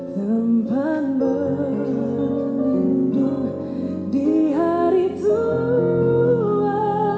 tempat berlindung di hari tua